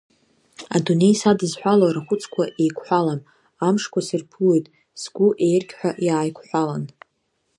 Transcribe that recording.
Адунеи садызҳәало арахәыцқәа еиқәҳәалам, амшқәа сырԥылоит, сгәы еергьҳәа иааиқәҳәалан.